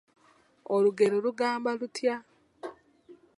Olugero olugamba lutya?